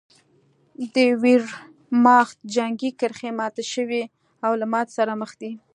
د ویرماخت جنګي کرښې ماتې شوې او له ماتې سره مخ دي